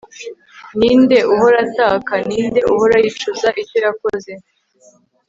ni nde uhora ataka? ni nde uhora yicuza icyo yakoze